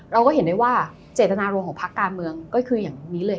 เราก็เห็นได้ว่าเจตนารมณ์ของพักการเมืองก็คืออย่างนี้เลย